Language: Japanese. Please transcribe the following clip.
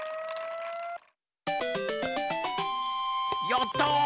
やった！